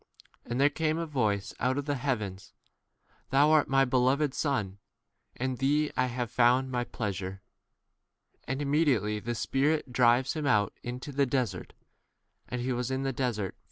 And there came a voice out of the heavens : Thou art my beloved Son, in thee d I have found my pleasure. 12 And immediately the Spirit drives him out into the desert. 13 And he was e in the desert forty t> T.